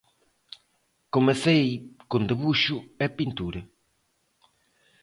Comecei con debuxo e pintura.